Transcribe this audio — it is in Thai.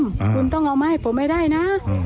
คุณต้องเอาไหมผมไม่ได้นะ